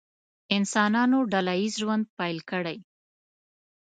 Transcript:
انسانانو ډله ییز ژوند پیل کړی.